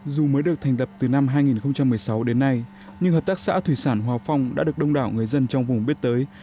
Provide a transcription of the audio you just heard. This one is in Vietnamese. dù mới được thành tập từ năm hai nghìn một mươi sáu đến nay nhưng hợp tác xã thủy sản hòa phong đã được đông đảo người dân trong vùng biết tới